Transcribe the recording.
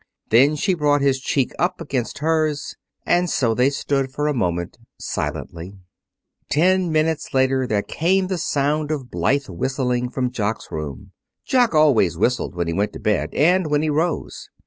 Then she brought his cheek up against hers. And so they stood for a moment, silently. Ten minutes later there came the sound of blithe whistling from Jock's room. Jock always whistled when he went to bed and when he rose.